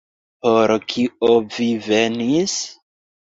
Por kio vi venis?